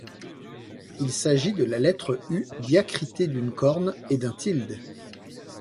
Il s’agit de la lettre U diacritée d’une corne et d’un tilde.